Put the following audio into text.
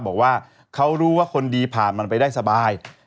บอกว่าเขารู้ว่าคนดีผ่านมันไปได้สบาย